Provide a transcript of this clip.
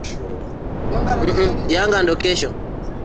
ya pili ikimwonyesha aliyekuwa rais wa tunisia